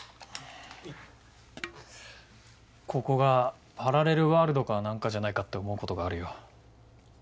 ここがパラレルワールドか何かじゃないかって思うことがあるよ。